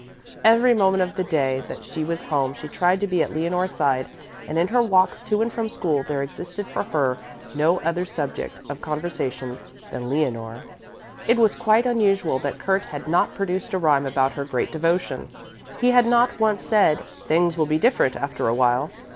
Every moment of the day that she was home she tried to be at Leonore's side and in her walks to and from school there existed for her no other subject of conversation than Leonore. It was quite unusual that Kurt had not produced a rhyme about her great devotion. He had not once said: "Things will be different after a while."